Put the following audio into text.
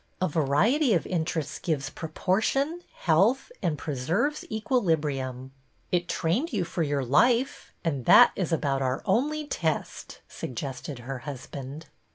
A variety of interests gives proportion, health, and preserves equilibrium." " It trained you for your life, and that is about our only test," suggested her husband.